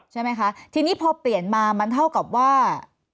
ใช่ไหมคะทีนี้พอเปลี่ยนมามันเท่ากับว่า